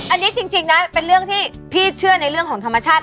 อันนี้จริงนะเป็นเรื่องที่พี่เชื่อในเรื่องของธรรมชาติ